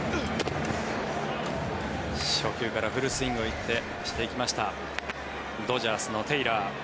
初球からフルスイングをしていきましたドジャースのテイラー。